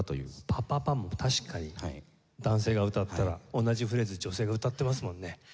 『パ・パ・パ』も確かに男性が歌ったら同じフレーズ女性が歌ってますもんね。